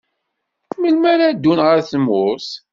Melmi ara ddun ɣer tmurt?